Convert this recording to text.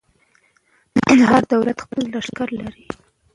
هر دولت خپل لښکر لري.